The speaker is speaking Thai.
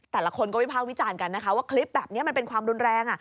แต่ละคนก็วิภาควิจารณ์กันนะคะว่าคลิปแบบนี้มันเป็นความรุนแรง